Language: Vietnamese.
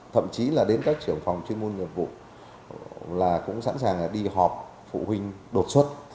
thậm chí là đến các trưởng phòng chuyên môn nghiệp vụ là cũng sẵn sàng đi họp phụ huynh đột xuất